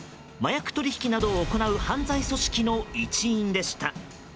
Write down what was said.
麻薬取引などを行う犯罪組織の一員でした。